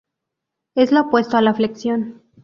Es lo opuesto a la flexión.